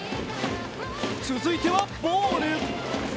続いてはボール。